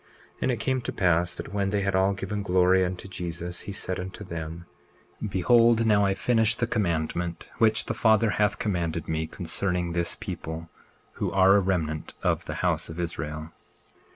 20:10 And it came to pass that when they had all given glory unto Jesus, he said unto them: Behold now I finish the commandment which the Father hath commanded me concerning this people, who are a remnant of the house of Israel.